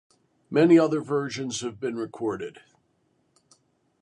Many other versions have been recorded.